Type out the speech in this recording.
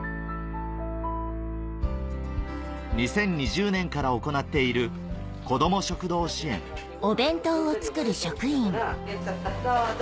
２０２０年から行っている子ども食堂支援どうぞ。